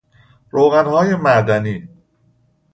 روغنهای معدنی